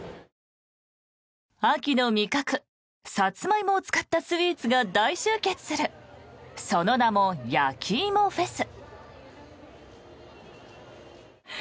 秋の味覚サツマイモを使ったスイーツが大集結するその名も、やきいもフェス。